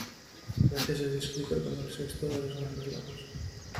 A veces es descrito como el sexto de los Grandes Lagos.